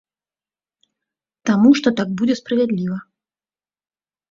Таму што так будзе справядліва.